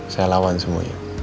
saya lawan semuanya